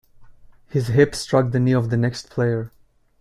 His hip struck the knee of the next player.